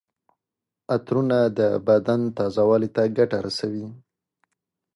عطرونه د بدن تازه والي ته ګټه رسوي.